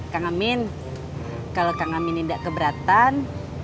kak amin kalau kak amin ini nggak keberatan